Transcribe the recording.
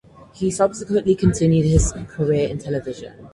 He subsequently continued his career in television.